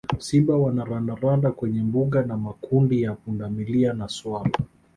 Simba wana randaranda kwenye mbuga na makundi ya pundamilia na swala